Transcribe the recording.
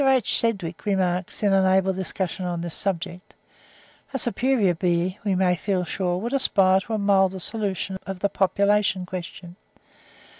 H. Sidgwick remarks, in an able discussion on this subject (the 'Academy,' June 15, 1872, p. 231), "a superior bee, we may feel sure, would aspire to a milder solution of the population question."